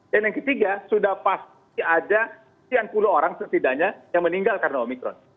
dan yang ketiga sudah pasti ada tiang puluh orang setidaknya yang meninggal karena omikron